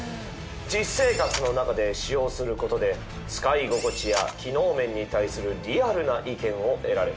実生活の中で使用する事で使い心地や機能面に対するリアルな意見を得られます。